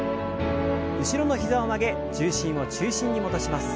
後ろの膝を曲げ重心を中心に戻します。